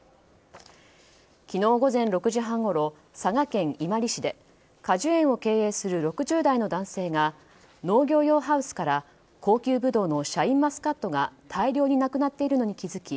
昨日午前６時半ごろ佐賀県伊万里市で果樹園を経営する６０代の男性が農業用ハウスから高級ブドウのシャインマスカットが大量になくなっているのに気付き